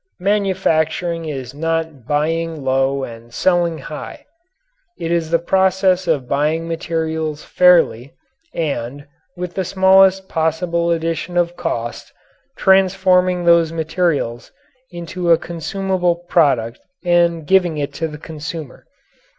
Manufacturing is not buying low and selling high. It is the process of buying materials fairly and, with the smallest possible addition of cost, transforming those materials into a consumable product and giving it to the consumer.